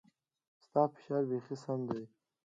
ستا فشار بيخي سم ديه.